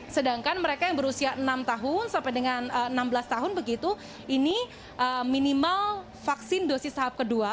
sedangkan mereka yang berusia enam tahun sampai dengan enam belas tahun begitu ini minimal vaksin dosis tahap kedua